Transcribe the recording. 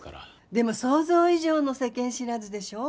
でも想像以上の世間知らずでしょ？